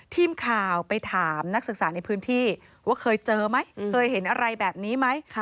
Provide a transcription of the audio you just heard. ทีมข่าวไปถามนักศึกษาในพื้นที่ว่าเคยเจอไหมเคยเห็นอะไรแบบนี้ไหม